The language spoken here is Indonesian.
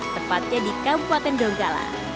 tepatnya di kabupaten donggala